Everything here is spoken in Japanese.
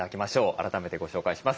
改めてご紹介します。